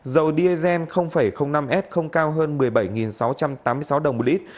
dầu diesel năm s không cao hơn một mươi bảy sáu trăm tám mươi sáu đồng một lít